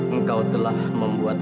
engkau telah membuat